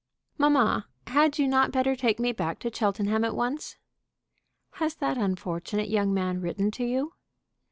"Mamma, had you not better take me back to Cheltenham at once?" "Has that unfortunate young man written to you?"